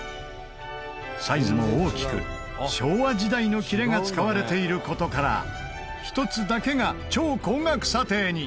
サイズも大きく昭和時代のきれが使われている事から一つだけが超高額査定に。